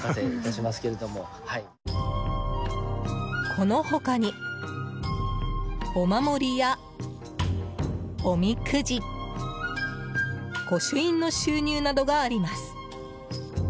この他に、お守りやおみくじ御朱印の収入などがあります。